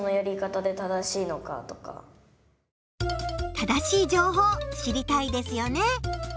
正しい情報知りたいですよね。